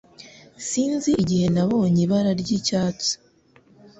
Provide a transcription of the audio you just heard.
Sinzi igihe nabonye ibara ryi cyatsi